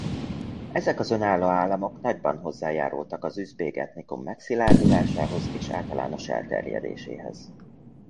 Ezek az önálló államok nagyban hozzájárultak az üzbég etnikum megszilárdulásához és általános elterjedéséhez.